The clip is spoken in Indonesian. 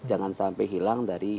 jangan sampai hilang dari